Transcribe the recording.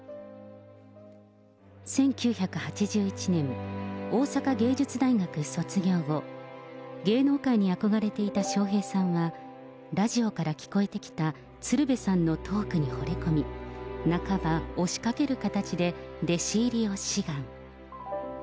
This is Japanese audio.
１９８１年、大阪芸術大学卒業後、芸能界に憧れていた笑瓶さんは、ラジオから聞こえてきた鶴瓶さんのトークにほれ込み、半ば、押しかける形で弟子入りを志願。